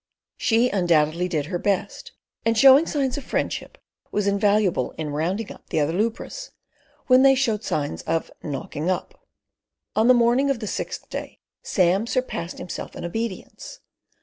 She undoubtedly did her best, and, showing signs of friendship, was invaluable in "rounding up" the other lubras when they showed signs of "knocking up." On the morning of the sixth day Sam surpassed himself in obedience.